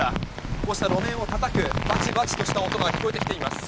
こうした路面をたたくバチバチとした音が聞こえてきています。